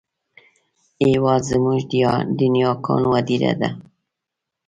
هېواد زموږ د نیاګانو هدیره ده